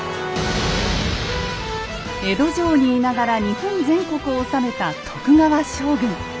江戸城にいながら日本全国を治めた徳川将軍。